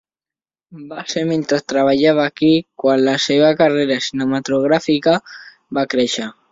Va ser mentre treballava aquí, quan la seva carrera cinematogràfica va créixer .